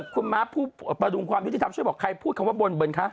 คุณม้าผู้ประดุงความยุติธรรมช่วยบอกใครพูดคำว่าบนคะ